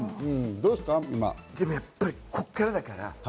でもやっぱり、ここからだから。